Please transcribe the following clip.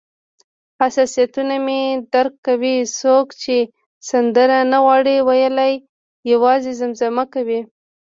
حساسیتونه مې درک کوم، څوک چې سندره نه غواړي ویلای، یوازې زمزمه کوي یې.